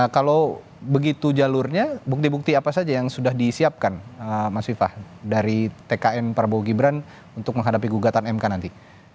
kalau begitu jalurnya bukti bukti apa saja yang sudah disiapkan mas viva dari tkn prabowo gibran untuk menghadapi gugatan mk nanti